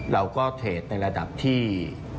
เราก็เทรดในระดับที่